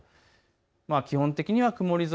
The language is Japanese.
基本的には曇り空。